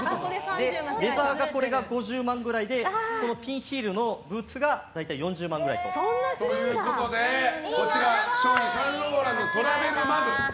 レザーが５０万ぐらいでピンヒールのブーツが大体４０万ぐらい。ということで、賞品サンローランのトラベルマグ。